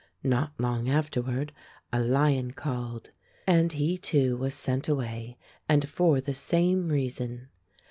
Not long afterward a lion called, and he. 52 Fairy Tale Foxes too, was sent away, and for the same rea son.